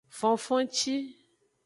Fonfonci.